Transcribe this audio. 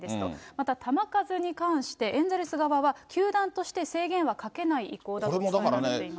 また球数に関して、エンゼルス側は、球団として制限はかけない意向だとしています。